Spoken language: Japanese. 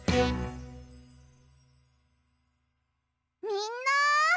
みんな。